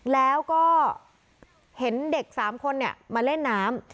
แล้วก็เห็นเด็ก๓คนมาเล่นน้ำ